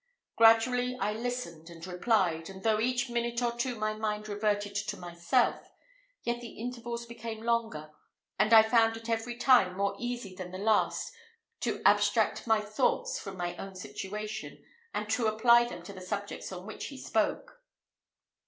Gradually I listened and replied, and though each minute or two my mind reverted to myself, yet the intervals became longer, and I found it every time more easy than the last to abstract my thoughts from my own situation, and to apply them to the subjects on which he spoke.